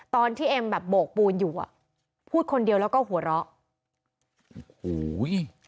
ตอนที่เอ็มแบบโบกปูนอยู่อ่ะพูดคนเดียวแล้วก็หัวเราะหูย